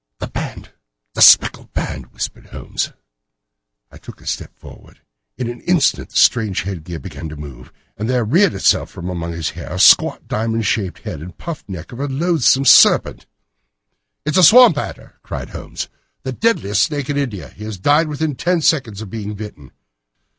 "The band! the speckled band!" whispered Holmes. I took a step forward. In an instant his strange headgear began to move, and there reared itself from among his hair the squat diamond shaped head and puffed neck of a loathsome serpent. "It is a swamp adder!" cried Holmes; "the deadliest snake in India. He has died within ten seconds of being bitten.